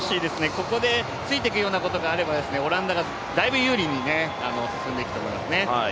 ここでついていくことがあれば、オランダがだいぶ有利に進んでいくと思いますね。